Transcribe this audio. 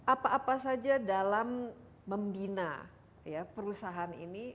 apa apa saja dalam membina perusahaan ini